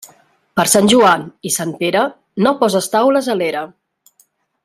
Per Sant Joan i Sant Pere, no poses taules a l'era.